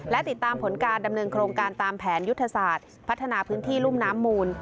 และติดตามผลการดำเนินโครงการตามแผนยุทธศาสตร์พัฒนาพื้นที่รุ่มน้ำมูล